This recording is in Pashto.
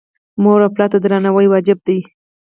مور او پلار ته درناوی واجب دی